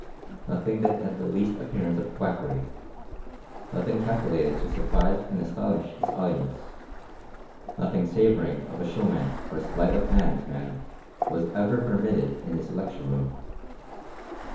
Nothing that had the least appearance of quackery ; nothing calculated to surprise and astonish his auci3nce; nothing savouring of a showman or sleight of hand man was ever permitted in his lecture room.